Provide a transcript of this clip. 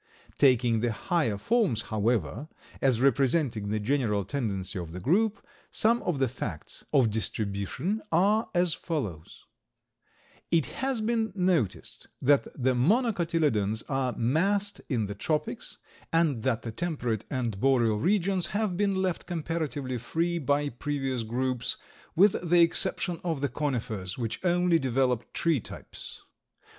Taking the higher forms, however, as representing the general tendency of the group, some of the facts of distribution are as follows: It has been noticed that the Monocotyledons are massed in the tropics, and that the temperate and boreal regions have been left comparatively free by previous groups, with the exception of the Conifers, which only develop tree types.